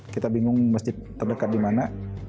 kita bingung masjid terdekat di mana